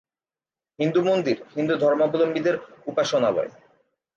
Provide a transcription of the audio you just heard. হিন্দু মন্দির হিন্দু ধর্মাবলম্বীদের উপাসনালয়।